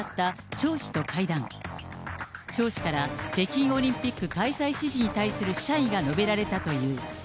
張氏から北京オリンピック開催支持に対する謝意が述べられたという。